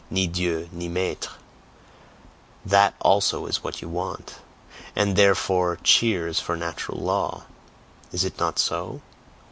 "Ni dieu, ni maitre" that, also, is what you want; and therefore "Cheers for natural law!" is it not so?